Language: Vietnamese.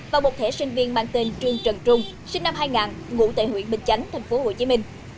và một thẻ sinh viên mang tên trương trần trung sinh năm hai nghìn ngủ tại huyện bình chánh tp hcm